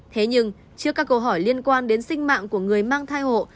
thế nhưng trước các câu hỏi liên quan đến sinh mạng của người mang thai hộ